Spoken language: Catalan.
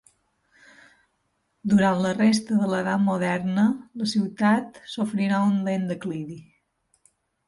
Durant la resta de l'Edat Moderna la ciutat sofrirà un lent declivi.